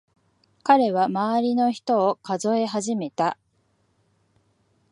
彼は周りの人を数え始めた。